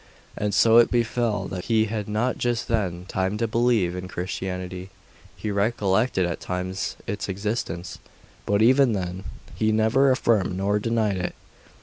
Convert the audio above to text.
And so it befell that he had not just then time to believe in Christianity. He recollected at times its existence; but even then he neither affirmed nor denied it.